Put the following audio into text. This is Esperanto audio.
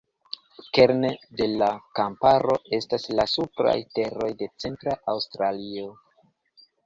Kerne de la kamparo estas la supraj teroj de centra Aŭstralio.